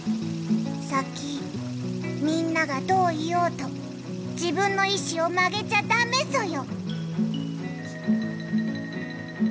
サキみんながどう言おうと自分のいしをまげちゃダメソヨ。